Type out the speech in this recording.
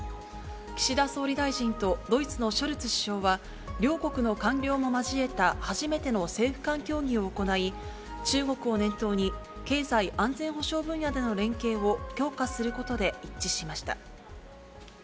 岸田総理大臣とドイツのショルツ首相は、両国の官僚も交えた初めての政府間協議を行い、中国を念頭に、経済安全保障分野での連携を強化することで一致しました。